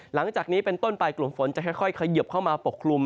หลังจากนี้เป็นต้นไปกลุ่มฝนจะค่อยเขยิบเข้ามาปกคลุม